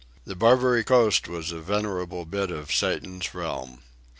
The Barbary Coast was a veritable bit of Satan's realm.